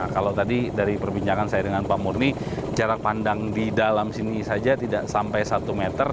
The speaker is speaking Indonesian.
kalau tadi dari perbincangan saya dengan pak murni jarak pandang di dalam sini saja tidak sampai satu meter